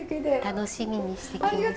楽しみにしてきました。